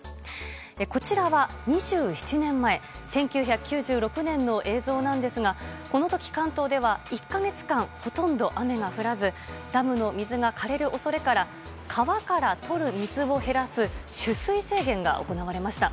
こちらは２７年前１９９６年の映像ですがこの時、関東では１か月間ほとんど雨が降らずダムの水が枯れる恐れから川からとる水を減らす取水制限が行われました。